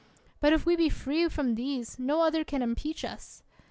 But if we be free from these, no others can impeach us!